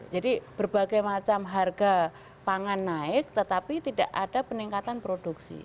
jadi berbagai macam harga pangan naik tetapi tidak ada peningkatan produksi